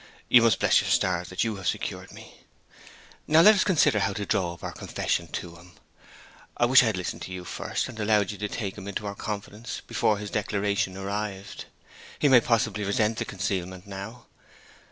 You must bless your stars that you have secured me. Now let us consider how to draw up our confession to him. I wish I had listened to you at first, and allowed you to take him into our confidence before his declaration arrived. He may possibly resent the concealment now.